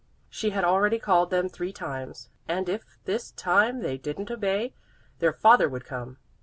She had already called them three times, and if this time they didn't obey, their father would come.